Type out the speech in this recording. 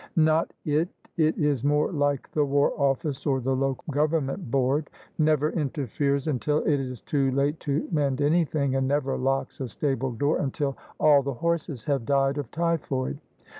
" Not it : it is more like the War Ofiice, or the Local Government Board: never interferes until it is too late to mend anything, and never locks a stable door until all the horses have died of typhoid."